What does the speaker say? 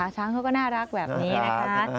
ช้างเขาก็น่ารักแบบนี้นะคะ